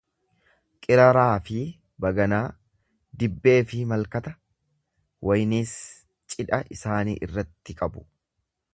Qiraraa fi baganaa, dibbee fi malkata, wayniis cidha isaanii irratti qabu.